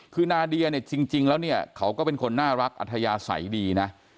คือนาเดียเนี่ยจริงแล้วเนี่ยเขาก็เป็นคนน่ารักอัธยาศัยดีนะ